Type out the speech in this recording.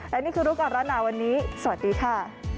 และนี่คือรู้ก่อนร้อนหนาวันนี้สวัสดีค่ะ